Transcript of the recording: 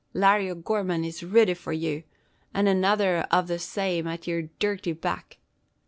Larry O'Gorman is riddy for ye, an' another av the same at yer dhirty back.